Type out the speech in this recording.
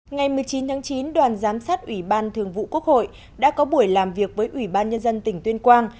ngày một mươi chín tháng chín đoàn giám sát ủy ban thường vụ quốc hội đã có buổi làm việc với ủy ban nhân dân tỉnh tuyên quang